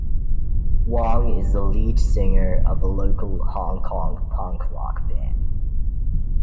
Wong is the lead singer of a local Hong Kong punk rock band.